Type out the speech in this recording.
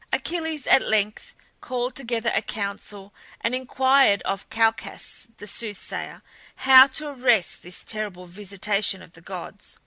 Achilles at length called together a council, and inquired of Calchas the soothsayer how to arrest this terrible visitation of the gods.